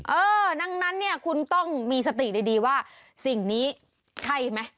เออดังนั้นเนี่ยคุณต้องมีสติดีว่าสิ่งนี้ใช่ไหม